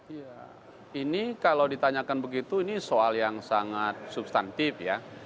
iya ini kalau ditanyakan begitu ini soal yang sangat substantif ya